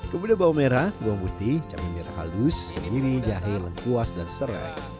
kemudian bawang merah bawang putih cabai merah halus kemini jahe lengkuas dan serai